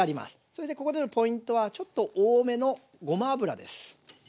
それでここでのポイントはちょっと多めのごま油です。